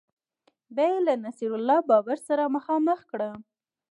بیا یې له نصیر الله بابر سره مخامخ کړم